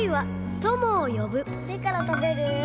どれからたべる？